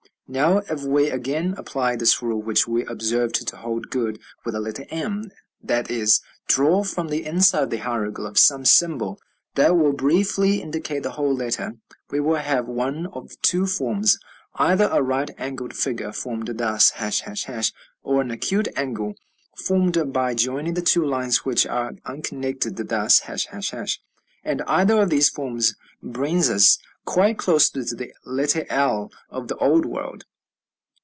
Now, if we again apply the rule which we observed to hold good with the letter m that is, draw from the inside of the hieroglyph some symbol that will briefly indicate the whole letter we will have one of two forms, either a right angled figure formed thus, ###, or an acute angle formed by joining the two lines which are unconnected, thus, ###; and either of these forms brings us quite close to the letter l of the Old World.